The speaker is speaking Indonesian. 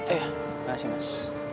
eh makasih mas